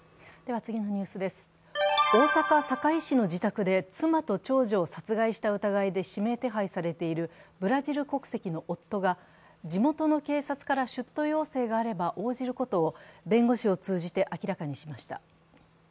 大阪・堺市の自宅で妻と長女を殺害した疑いで指名手配されているブラジル国籍の夫が地元の警察から出頭要請があれば応じることを弁護士を通じて明らかにしました。